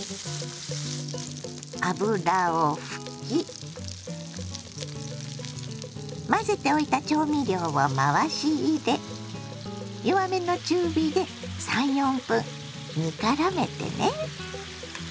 油を拭き混ぜておいた調味料を回し入れ弱めの中火で３４分煮からめてね。